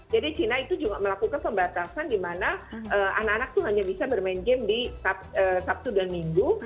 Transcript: china itu juga melakukan pembatasan di mana anak anak itu hanya bisa bermain game di sabtu dan minggu